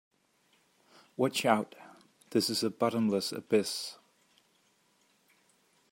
Watch out, this is a bottomless abyss!